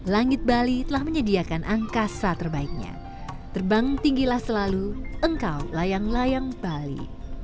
langit bali telah menyediakan angkasa terbaiknya terbang tinggilah selalu engkau layang layang bali